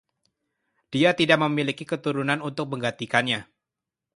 Dia tidak memiliki keturunan untuk menggantikannya.